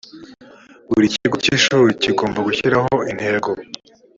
buri kigo cy’ ishuri kigomba gushyiraho intego